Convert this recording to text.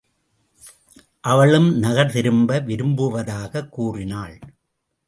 அவளும் நகர் திரும்ப விரும்புவதாகக் கூறினாள்.